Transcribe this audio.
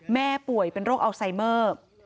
แม่ป่วยเป็นโรคอัลไซเมอร์